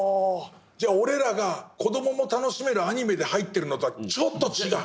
じゃあ俺らが子どもも楽しめるアニメで入ってるのとはちょっと違う？